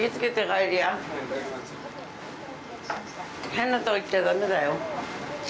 変なとこ行っちゃ駄目だよ。